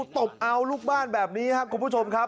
ตบเอาลูกบ้านแบบนี้ครับคุณผู้ชมครับ